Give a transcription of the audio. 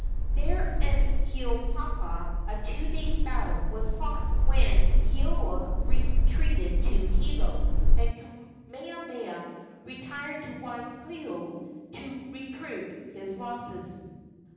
There and at Koapapa a two days' battle was fought, when Keoua retreated to Hilo, and Kamehameha retired to Waipio to recruit his losses.